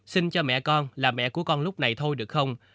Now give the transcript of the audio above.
sinh cho mẹ con là mẹ của con lúc này thôi được không